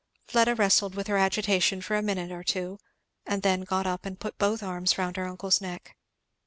Fleda wrestled with her agitation for a minute or two, and then got up and put both arms round her uncle's neck.